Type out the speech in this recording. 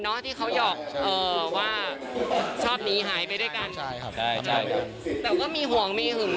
ถ้าที่เขาหยอกเออว่าชอบมีหายไปด้วยกัน